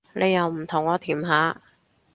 你又唔同我甜下